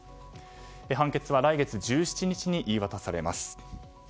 判決は来月１７日に言い渡されます。